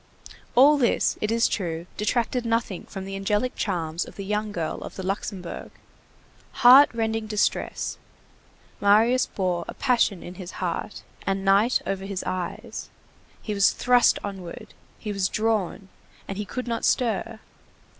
All this, it is true, detracted nothing from the angelic charms of the young girl of the Luxembourg. Heart rending distress; Marius bore a passion in his heart, and night over his eyes. He was thrust onward, he was drawn, and he could not stir.